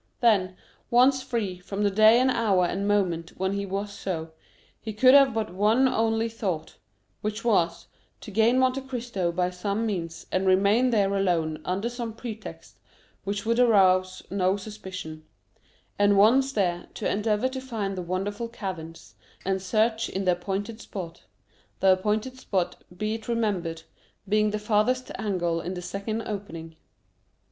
Then, once free, from the day and hour and moment when he was so, he could have but one only thought, which was, to gain Monte Cristo by some means, and remain there alone under some pretext which would arouse no suspicions; and once there, to endeavor to find the wonderful caverns, and search in the appointed spot,—the appointed spot, be it remembered, being the farthest angle in the second opening.